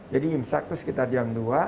jadi imsak tuh sekitar jam dua